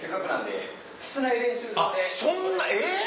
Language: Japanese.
そんなえっ！